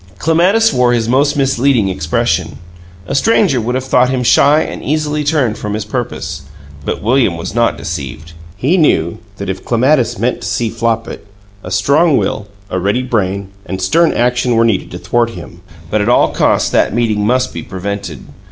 Clematis wore his most misleading expression; a stranger would have thought him shy and easily turned from his purpose but William was not deceived. He knew that if Clematis meant to see Flopit, a strong will, a ready brain, and stern action were needed to thwart him; but at all costs that meeting must be prevented.